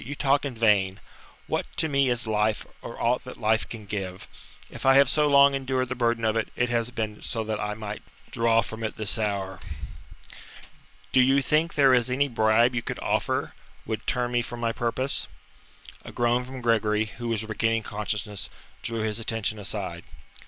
"You talk in vain. What to me is life, or aught that life can give? If I have so long endured the burden of it, it has been so that I might draw from it this hour. Do you think there is any bribe you could offer would turn me from my purpose?" A groan from Gregory, who was regaining consciousness, drew his attention aside.